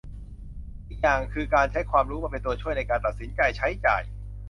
อีกอย่างคือ การใช้ความรู้มาเป็นตัวช่วยในการตัดสินใจใช้จ่าย